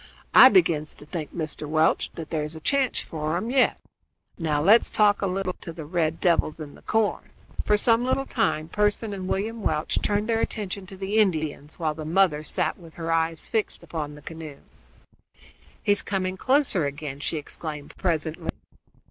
I begins to think, Mr. Welch, that there's a chance for 'em yet. Now let's talk a little to these red devils in the corn." For some little time Pearson and William Welch turned their attention to the Indians, while the mother sat with her eyes fixed upon the canoe. "He is coming closer again," she exclaimed presently.